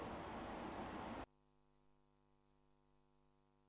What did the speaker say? hẹn gặp lại các bạn trong những video tiếp theo